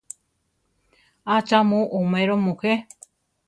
¿ acha mu oméro mujé?